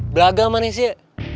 braga manis ya